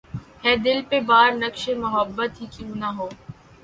ہے دل پہ بار‘ نقشِ محبت ہی کیوں نہ ہو